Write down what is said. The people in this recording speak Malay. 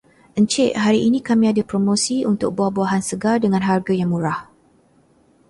Encik, hari ini kami ada promosi untuk buah-buahan segar dengan harga yang murah.